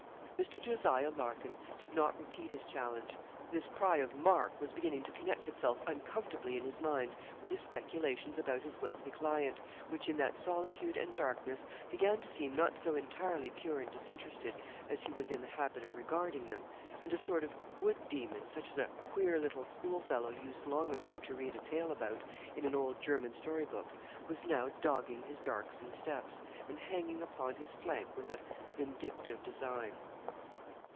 Mr. Jos. Larkin did not repeat his challenge. This cry of 'Mark!' was beginning to connect itself uncomfortably in his mind with his speculations about his wealthy client, which in that solitude and darkness began to seem not so entirely pure and disinterested as he was in the habit of regarding them, and a sort of wood demon, such as a queer little schoolfellow used long ago to read a tale about in an old German story book, was now dogging his darksome steps, and hanging upon his flank with a vindictive design.